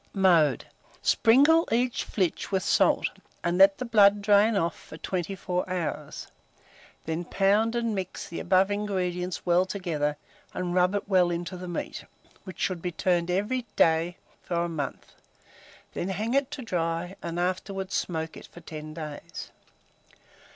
Mode. Sprinkle each flitch with salt, and let the blood drain off for 24 hours; then pound and mix the above ingredients well together and rub it well into the meat, which should be turned every day for a month; then hang it to dry, and afterwards smoke it for 10 days.